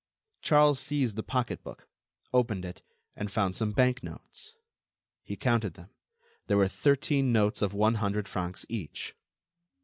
Charles seized the pocketbook, opened it, and found some bank notes. He counted them; there were thirteen notes of one hundred francs each.